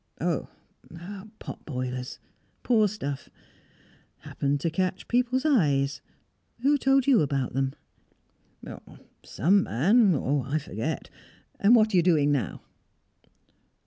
"Oh, pot boilers! Poor stuff. Happened to catch people's eyes. Who told you about them?" "Some man I forget. And what are you doing now?"